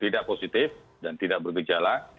tidak positif dan tidak bergejala